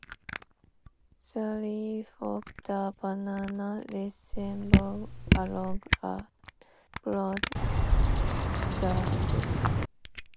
The leaf of the banana resembles a long and broad girdle.